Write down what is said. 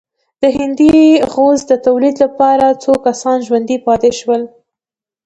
د هندي غوز د تولید لپاره څو کسان ژوندي پاتې شول.